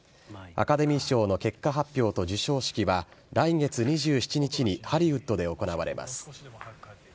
アカデミー賞の結果発表と授賞式は、来月２７日にハリウッドで行われます。